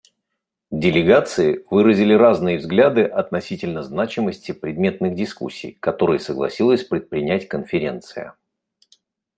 Делегации выразили разные взгляды относительно значимости предметных дискуссий, которые согласилась предпринять Конференция.